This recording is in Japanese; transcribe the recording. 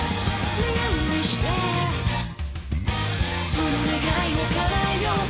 「その願いを叶えようか」